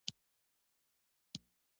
احمد غږ وکړ.